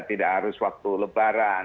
tidak harus waktu lebaran